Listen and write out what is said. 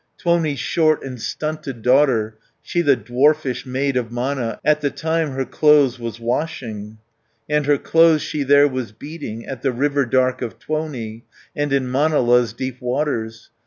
Tuoni's short and stunted daughter. She the dwarfish maid of Mana, At the time her clothes was washing, And her clothes she there was beating, 170 At the river dark of Tuoni, And in Manala's deep waters.